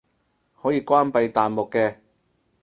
可以關閉彈幕嘅